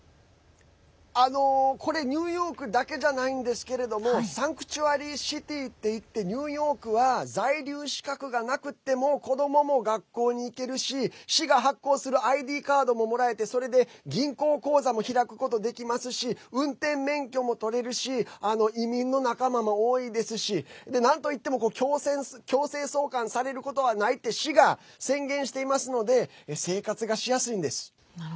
これニューヨークだけじゃないんですけどｓａｎｃｔｕａｒｙｃｉｔｙっていってニューヨークは在留資格がなくても子どもも学校にいける市が発行するＩＤカードがもらえて銀行口座も開くことできますし運転免許も取れるし移民の仲間も多いですしなんといっても強制送還されることはないって、市が宣言していますので生活がしやすいんです。